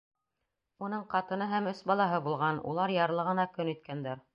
Уның ҡатыны һәм өс балаһы булған, улар ярлы ғына көн иткәндәр.